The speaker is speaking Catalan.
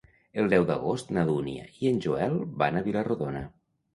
El deu d'agost na Dúnia i en Joel van a Vila-rodona.